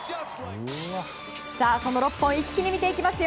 その６本一気に見ていきますよ。